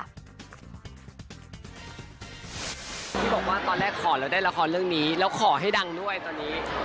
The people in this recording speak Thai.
ที่บอกว่าตอนแรกขอแล้วได้ละครเรื่องนี้แล้วขอให้ดังด้วยตอนนี้